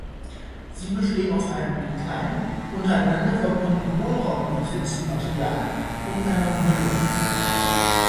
Sie bestehen aus einem mit kleinen, untereinander verbundenen Hohlräumen durchsetzten Material und einer Umhüllung.